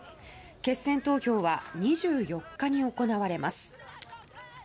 決選投票は２４日に行われます。